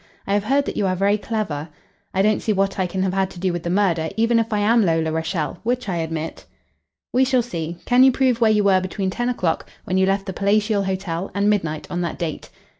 "I have heard that you are very clever. I don't see what I can have had to do with the murder, even if I am Lola Rachael which I admit." "We shall see. Can you prove where you were between ten o'clock, when you left the Palatial Hotel, and midnight on that date?"